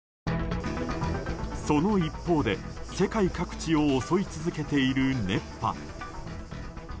その一方で、世界各地を襲い続けている熱波。